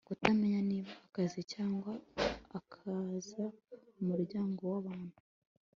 Kutamenya niba akiza cyangwa atakaza umuryango wabantu